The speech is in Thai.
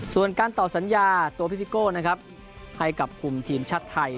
ส่วนการต่อสัญญาตัวพิซิโก้นะครับให้กับคุมทีมชาติไทย